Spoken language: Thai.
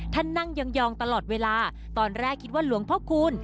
นั่งยองตลอดเวลาตอนแรกคิดว่าหลวงพ่อคูณ